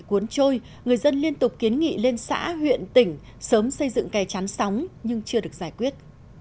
chết thôi người dân liên tục kiến nghị lên xã huyện tỉnh sớm xây dựng cài chán sóng nhưng chưa được giải quyết